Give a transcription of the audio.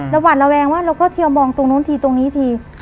หวัดระแวงว่าเราก็เทียวมองตรงนู้นทีตรงนี้ที